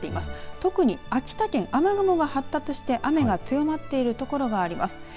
特に秋田県、雨雲が発達して雨が強まっている所があります。